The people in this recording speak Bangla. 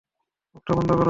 মুখটা বন্ধ করো।